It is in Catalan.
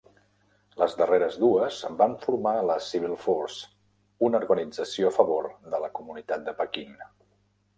Les darreres dues van formar la "Civil Force", una organització a favor de la comunitat de Pequín.